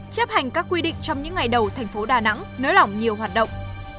chấp hành các quy định trong những ngày đầu thành phố đà nẵng nới lỏng nhiều hoạt động